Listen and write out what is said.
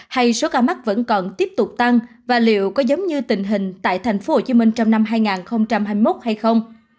hay số ca mắc vẫn còn tiếp tục tăng và liệu có giống như tình hình tại tp hcm trong năm hai nghìn hai mươi một hay không